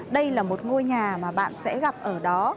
đây là một ngôi nhà mà bạn sẽ gặp ở đó